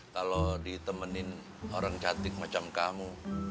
kalau ditemenin orang cantik macam kamu